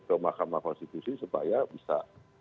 ke mahkamah konstitusi supaya bisa